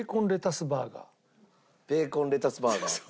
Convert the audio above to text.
ベーコンレタスバーガー。